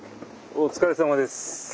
お疲れさまです。